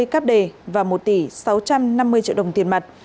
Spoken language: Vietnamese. hai mươi cắp đề và một tỷ sáu trăm năm mươi triệu đồng tiền mặt